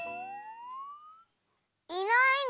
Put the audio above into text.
いないの？